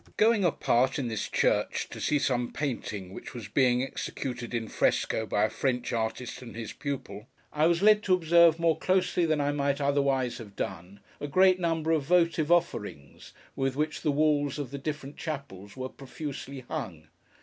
Going apart, in this church, to see some painting which was being executed in fresco by a French artist and his pupil, I was led to observe more closely than I might otherwise have done, a great number of votive offerings with which the walls of the different chapels were profusely hung.